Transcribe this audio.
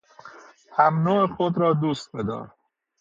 همنوع خود را دوست بدار.